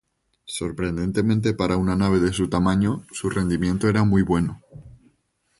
Sorprendentemente para una nave de su tamaño su rendimiento era muy bueno.